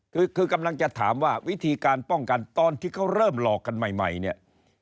คือคือกำลังจะถามว่าวิธีการป้องกันตอนที่เขาเริ่มหลอกกันใหม่เนี่ย